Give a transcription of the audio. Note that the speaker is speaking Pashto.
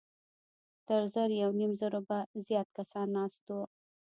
تر زر يونيم زرو به زيات کسان ناست وو.